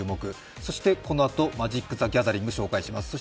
そして、このあとマジック：ザ・ギャザリング、ご紹介します。